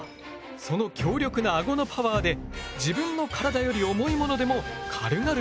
その強力なアゴのパワーで自分の体より重いものでも軽々と運んでしまう。